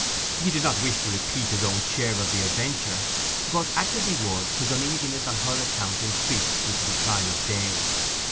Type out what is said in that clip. He did not wish to repeat his own share of the adventure; but, act as he would, his uneasiness on her account increased with the decline of day.